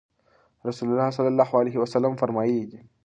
رسول الله صلی الله عليه وسلم فرمایلي دي: